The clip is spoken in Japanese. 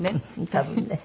多分ね。